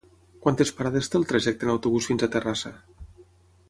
Quantes parades té el trajecte en autobús fins a Terrassa?